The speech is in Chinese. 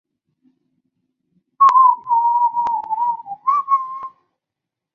由此得出第二条伦敦方程。